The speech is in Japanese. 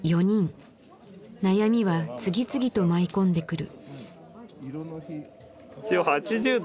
悩みは次々と舞い込んでくる。